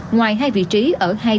ngoài hai vị trí ở tp hcm